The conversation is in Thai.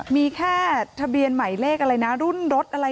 มีแค่ทะเบียนใหม่เลขอะไรนะรุ่นรถอะไร